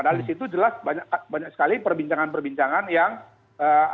padahal disitu jelas banyak sekali perbincangan perbincangan itu yang terjadi